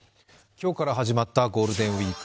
今日から始まったゴールデンウイーク。